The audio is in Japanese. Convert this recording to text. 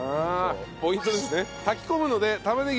ポイントですね。